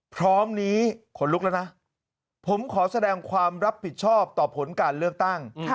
พร้อมนี้ขนลุกแล้วนะผมขอแสดงความรับผิดชอบต่อผลการเลือกตั้ง